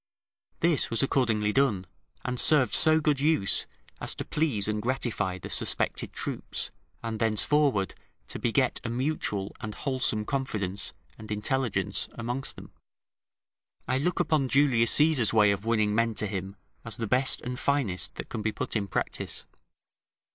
This was accordingly done, and served so good use, as to please and gratify the suspected troops, and thenceforward to beget a mutual and wholesome confidence and intelligence amongst them. I look upon Julius Caesar's way of winning men to him as the best and finest that can be put in practice.